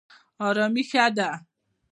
ارامي ښه ده.